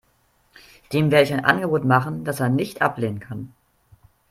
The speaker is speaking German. Dem werde ich ein Angebot machen, das er nicht ablehnen kann.